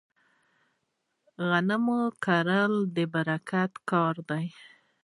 غنم کرل د برکت کار دی.